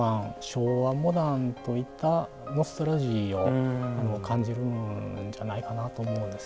昭和モダンといったノスタルジーを感じるんじゃないかなと思うんですけどね。